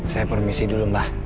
saya permisi dulu mbah